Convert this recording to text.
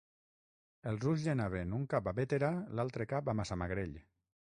Els ulls li anaven un cap a Bétera, l'altre cap a Massamagrell.